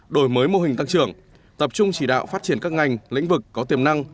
đổi mới mô hình tăng trưởng tập trung chỉ đạo phát triển các ngành lĩnh vực có tiềm năng